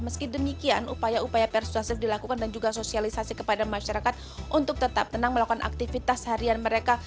meski demikian upaya upaya persuasif dilakukan dan juga sosialisasi kepada masyarakat untuk tetap tenang melakukan aktivitas harian mereka